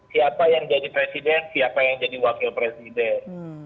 siapa yang jadi presiden siapa yang jadi wakil presiden